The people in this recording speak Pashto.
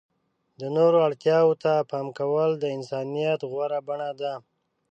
د نورو اړتیاوو ته پام کول د انسانیت غوره بڼه ده.